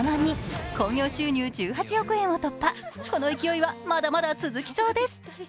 この勢いはまだまだ続きそうです。